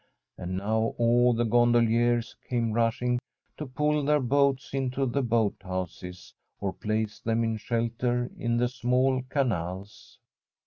And now all the gondoliers came rushing to pull their boats into the boathouses, or place them in shelter in the small canals.